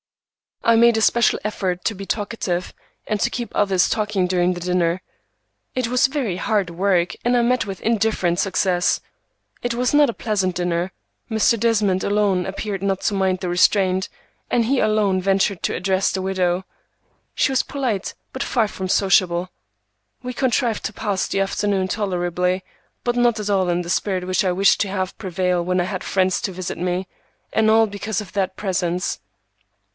I made a special effort to be talkative, and to keep others talking during the dinner. It was very hard work, and I met with indifferent success. It was not a pleasant dinner. Mr. Desmond alone appeared not to mind the restraint, and he alone ventured to address the widow. She was polite, but far from sociable. We contrived to pass the afternoon tolerably, but not at all in the spirit which I wished to have prevail when I had friends to visit me, and all because of that presence.